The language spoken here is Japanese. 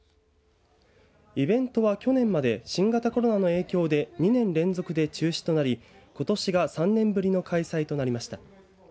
イベントは去年まで新型コロナの影響で２年連続で中止となりことしが３年ぶりの開催となりました。